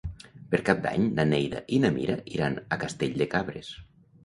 Per Cap d'Any na Neida i na Mira iran a Castell de Cabres.